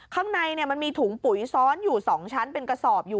ข้างในมันมีถุงปุ๋ยซ้อนอยู่๒ชั้นเป็นกระสอบอยู่